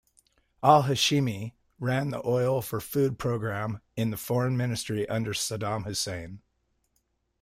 Al-Hashimi ran the oil for food programme in the Foreign Ministry under Saddam Hussein.